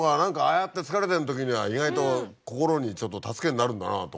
やって疲れてるときには意外と心にちょっと助けになるんだなとか。